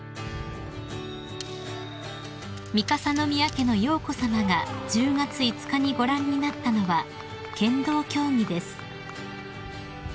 ［三笠宮家の瑶子さまが１０月５日にご覧になったのは剣道競技です］